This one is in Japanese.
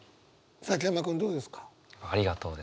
崎山君どうですか？